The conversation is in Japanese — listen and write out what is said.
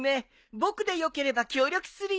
僕でよければ協力するよ。